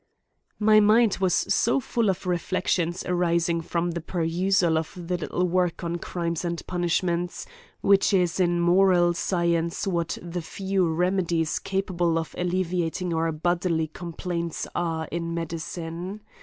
MY mind was full of reflexions arising from the perusal of the little work on crimes and punishments, which is in moral science, what the few remedies capable of alleviating our bodily complaints are in medicine.